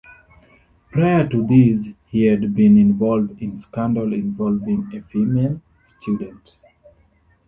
Prior to this he had been involved in scandal involving a female student.